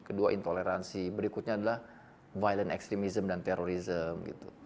kedua intoleransi berikutnya adalah violent extremism dan terorisme